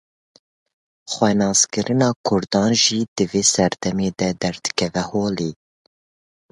Xwenaskirina Kurdan jî di vê serdemê de derdikeve holê.